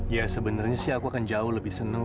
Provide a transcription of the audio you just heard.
ya sebenarnya sih aku akan jauh lebih seneng